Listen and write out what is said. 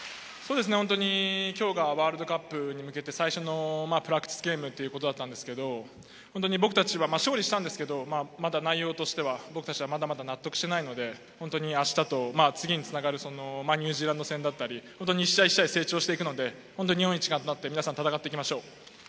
きょうがワールドカップに向けて最初のプラクティスゲームだったんですけれども、僕たちは勝利したんですけれども、まだ内容としては、僕たちはまだまだ納得していないので、あしたと次につながるニュージーランド戦だったり、一試合一試合成長していくので、日本一、頑張って皆さん戦っていきましょう。